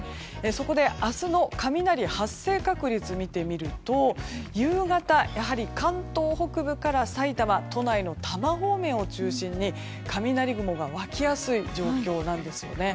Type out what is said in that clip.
そこで、明日の雷発生確率を見てみると夕方、関東北部からさいたま都内の多摩方面を中心に雷雲が湧きやすい状況なんですよね。